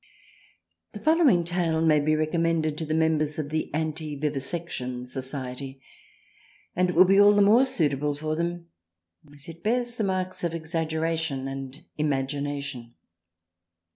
The following tale may be recommended to the members of the Anti Vivisection Society, and it would be all the more suitable for them as it bears the marks of exaggeration and imagination.